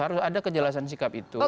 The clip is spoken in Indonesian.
harus ada kejelasan sikap itu